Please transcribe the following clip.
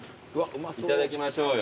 いただきましょうよ。